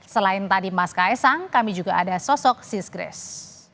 selain tadi mas kaisang kami juga ada sosok sis grace